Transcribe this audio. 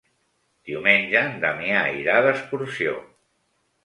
Diumenge en Damià irà d'excursió.